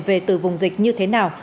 về từ vùng dịch như thế nào